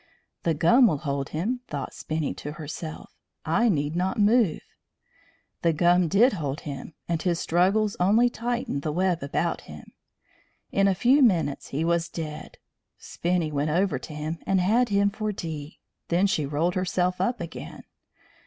"The gum will hold him," thought Spinny to herself. "I need not move." The gum did hold him, and his struggles only tightened the web about him. In a few minutes he was dead; Spinny went over to him, and had him for tea. Then she rolled herself up again.